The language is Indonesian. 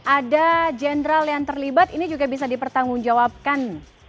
ada jenderal yang terlibat ini juga bisa dipertanggungjawabkan